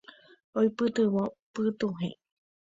Oipytyvõ pytuhẽ.